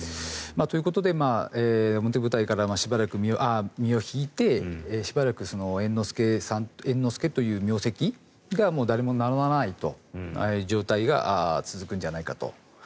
ということで表舞台から身を引いてしばらく猿之助という名跡が誰も名乗らないという状態が続くんじゃないかと。